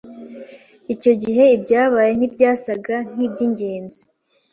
Icyo gihe, ibyabaye ntibyasaga nkibyingenzi.